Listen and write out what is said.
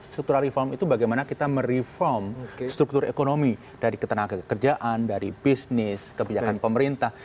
struktural reform itu bagaimana kita mereform struktur ekonomi dari ketenagakerjaan dari bisnis kebijakan pemerintah